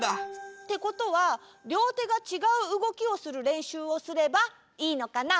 ってことはりょうてがちがううごきをするれんしゅうをすればいいのかな？